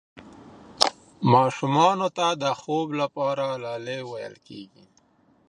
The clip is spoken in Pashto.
ماشومانو ته د خوب لپاره لالايي ویل کېږي.